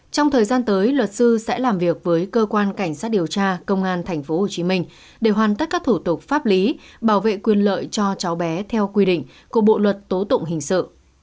trong thời gian tới luật sư sẽ làm việc với cơ quan cảnh sát điều tra công an tp hcm để hoàn tất các thủ tục pháp lý bảo vệ quyền lợi cho cháu bé theo quy định của bộ luật tố tụng hình sự